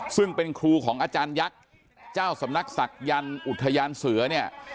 ซึ่งเป็นครูของอาจารยักษ์เจ้าสำนักศักยันต์อุทยานเสือเนี่ย